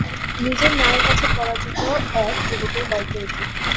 নিজের মায়ের কাছে পরাজিত এক যুবকের গল্প এটি।